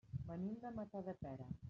Venim de Matadepera.